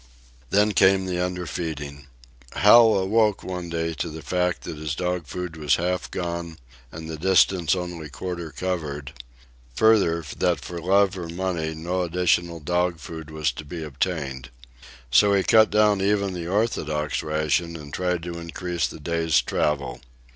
Then came the underfeeding. Hal awoke one day to the fact that his dog food was half gone and the distance only quarter covered; further, that for love or money no additional dog food was to be obtained. So he cut down even the orthodox ration and tried to increase the day's travel.